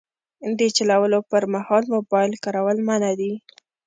د چلولو پر مهال موبایل کارول منع دي.